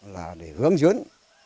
là để hướng dưỡng